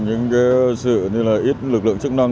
những cái sự như là ít lực lượng chức năng